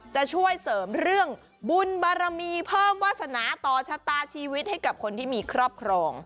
จะช่วยเสริมเรื่องบุญบารมีเพิ่มวาสนาต่อชะตาชีวิตให้กับคนที่มีครอบครอง